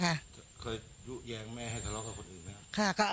เคยยุแย้งแม่ให้ทะเลาะกับคนอื่นไหมครับค่ะ